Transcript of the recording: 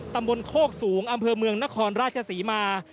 ตำบลโคกสูงอำเภอเมืองนครราชศรีมา